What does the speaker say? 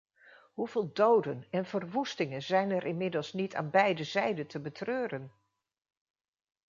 Hoeveel doden en verwoestingen zijn er inmiddels niet aan beide zijden te betreuren!